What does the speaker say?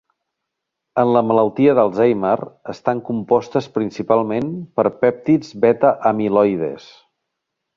En la malaltia d'Alzheimer estan compostes principalment per pèptids beta amiloides.